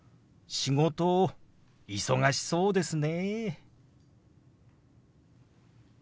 「仕事忙しそうですね」。